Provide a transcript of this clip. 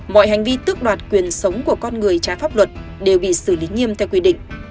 mọi hành vi tước đoạt quyền sống của con người trái pháp luật đều bị xử lý nghiêm theo quy định